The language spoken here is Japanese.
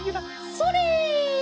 それ！